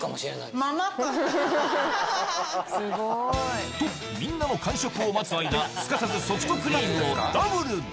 ハハハ！とみんなの完食を待つ間すかさずソフトクリームをダブルで！